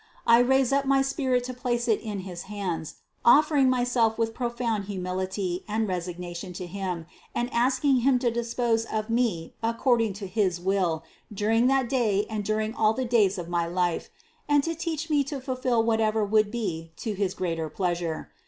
I raised up my spirit to place it into his hands, offering myself with profound humility and resignation to Him and asking Him to dispose of me according to his will during that day and during all the days of my life, and to teach me to fulfill whatever would be to his THE CONCEPTION 277 greater pleasure.